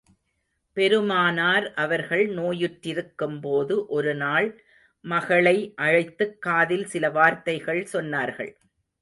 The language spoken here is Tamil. பெருமானார் அவர்கள் நோயுற்றிருக்கும் போது ஒருநாள், மகளை அழைததுக் காதில் சில வார்த்தைகள் சொன்னார்கள்.